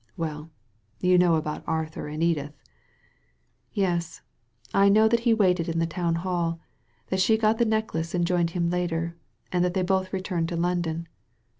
Well, you know about Arthur and Editlu" ''Yes, I know that he waited in the Town Hall, and that she got the necklace and joined him later, and that they both returned to London.